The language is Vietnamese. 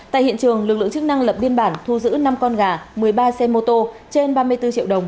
tại hiện trường lực lượng chức năng lập biên bản thu giữ năm con gà một mươi ba xe mô tô trên ba mươi bốn triệu đồng